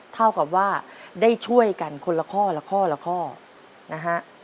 เท่ากับว่าได้ช่วยกันคนละข้อละข้อละข้อนะฮะ